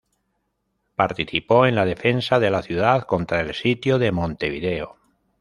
Participó en la defensa de la ciudad contra el Sitio de Montevideo.